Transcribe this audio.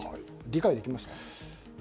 理解できましたか？